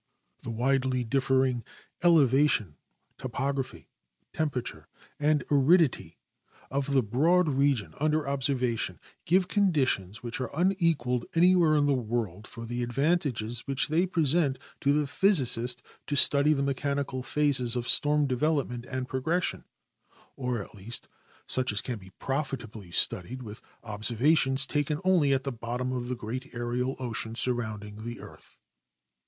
The widely differing elevation, topography, temperature, and aridity of the broad region under observation give conditions which are unequaled anywhere in the world for the advantages which they present to the physicist to study the mechanical phases of storm development and progression, or at least such as can be profitably studied with observations taken only at the bottom of the great aerial ocean surrounding the earth.